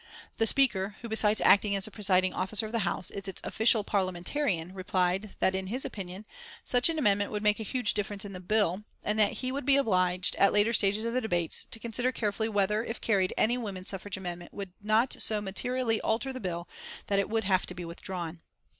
The Speaker, who, besides acting as the presiding officer of the House, is its official parliamentarian, replied that, in his opinion, such an amendment would make a huge difference in the bill, and that he would be obliged, at a later stage of the debates, to consider carefully whether, if carried, any woman suffrage amendment would not so materially alter the bill that it would have to be withdrawn.